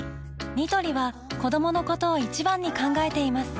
ニトリは子どものことを一番に考えています